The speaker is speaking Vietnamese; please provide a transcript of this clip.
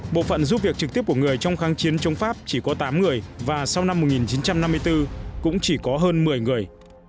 bộ phận giúp việc trực tiếp của người trong kháng chiến chống pháp chỉ có tám người và sau năm một nghìn chín trăm năm mươi bốn cũng chỉ có hơn một mươi người